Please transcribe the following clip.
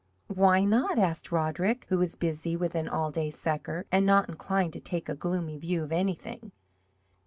"Why not?" asked Roderick, who was busy with an "all day sucker" and not inclined to take a gloomy view of anything.